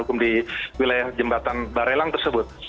dan juga di wilayah jembatan barelang tersebut